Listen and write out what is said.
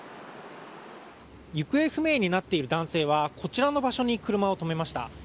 行方不明になっている男性はこちらの場所に車を止めました。